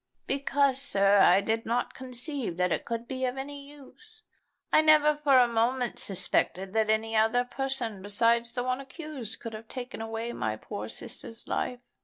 "Because, sir, I did not conceive that it could be of any use. I never for a moment suspected that any other person besides the one accused could have taken away my poor sister's life.